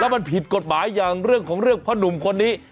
มันผิดกฎหมายอย่างเรื่องของเรื่องพ่อหนุ่มคนนี้